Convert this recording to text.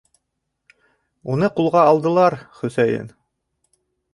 Уны ҡулға алдылар, Хөсәйен.